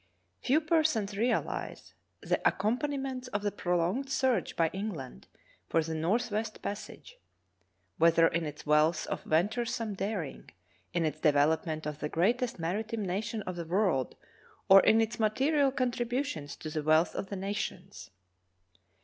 FEW persons realize the accompaniments of the prolonged search by England for the northwest passage, whether in its wealth of venturesome daring, in its development of the greatest maritime nation of the world, or in its material contributions to the wealth of the nations.